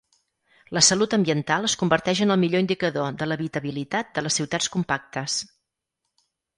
La salut ambiental es converteix en el millor indicador de l'habitabilitat de les ciutats compactes.